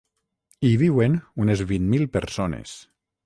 Hi viuen unes vint mil persones.